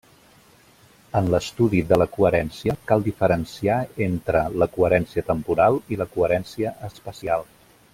En l'estudi de la coherència cal diferenciar entre la coherència temporal i la coherència espacial.